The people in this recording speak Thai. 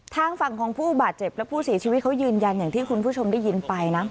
ทางฝั่งของผู้บาดเจ็บและผู้เสียชีวิตเขายืนยันอย่างที่คุณผู้ชมได้ยินไปนะ